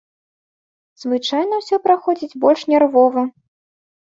Звычайна ўсё праходзіць больш нервова.